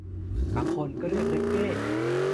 บางคนก็เรียกเร็กเก้